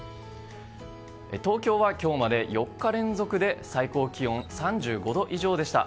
東京は今日まで４日連続で最高気温３５度以上でした。